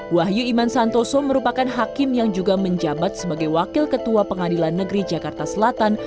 wahyu iman santoso merupakan hakim yang juga menjabat sebagai wakil ketua pengadilan negeri jakarta selatan